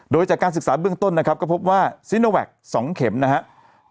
โดยจากการศึกษาเบื้องต้นนะครับก็พบว่าซีโนแวค๒เข็มนะครับ